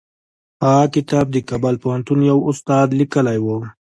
هغه کتاب د کابل پوهنتون یوه استاد لیکلی و.